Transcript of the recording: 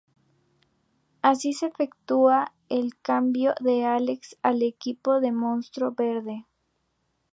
Así se efectúa el cambio de Alex al equipo del monstruo verde.